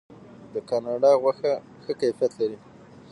د کاناډا غوښه ښه کیفیت لري.